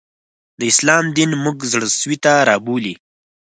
د اسلام دین موږ زړه سوي ته رابولي